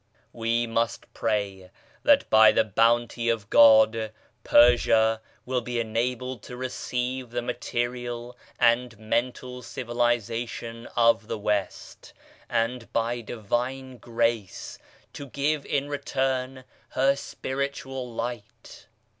We must pray that by the Bounty of God Persia will be enabled to receive the material and mental civili zation of the West, and by Divine Grace to give in return her Spiritual Light.